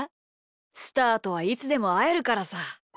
スターとはいつでもあえるからさ。